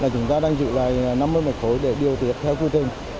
chúng ta đang giữ lại năm mươi mét khối để điều tiết theo quy tình